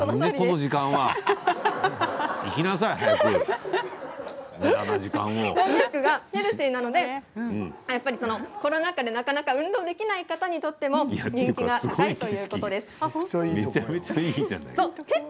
こんにゃくがヘルシーなので、コロナ禍で運動ができない方にとっても人気が高いということです。